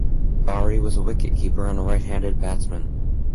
Bari was a wicket-keeper and right-handed batsman.